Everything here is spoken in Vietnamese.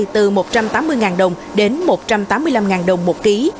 từ một trăm tám mươi đồng đến một trăm tám mươi năm đồng một ký